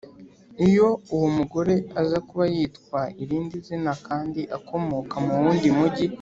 Iyo uwo mugore aza kuba yitwa irindi zina kandi akomoka mu wundi mugi